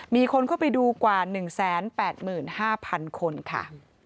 มีคนเข้าไปดูกว่า๑๘๕๐๐๐คนค่ะ